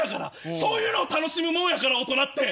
そういうのを楽しむもんやから大人って。